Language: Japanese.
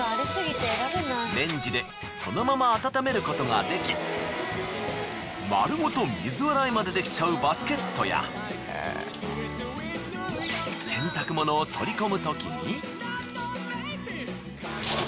レンジでそのまま温めることができ丸ごと水洗いまでできちゃうバスケットや洗濯物を取り込むときに。